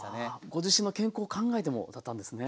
ご自身の健康を考えてもだったんですね。